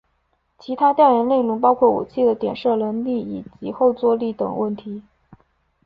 其他调研内容包括武器的点射能力以及后座力等问题。